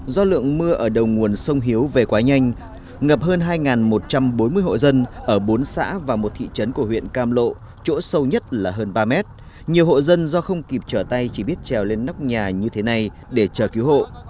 do lượng mưa ở đầu nguồn sông hiếu về quá nhanh ngập hơn hai một trăm bốn mươi hộ dân ở bốn xã và một thị trấn của huyện cam lộ chỗ sâu nhất là hơn ba mét nhiều hộ dân do không kịp trở tay chỉ biết trèo lên nóc nhà như thế này để chờ cứu hộ